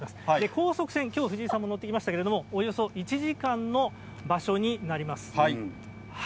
高速船、きょう、藤井さんも乗ってきましたけれども、およそ１時間の場所になります。